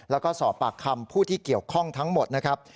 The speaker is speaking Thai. แล้วก็สอบปากคำผู้ที่เกี่ยวข้องทั้งหมดนะครับ